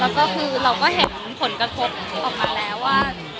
แล้วก็คือเราก็เห็นผลกระทบออกมาแล้วว่า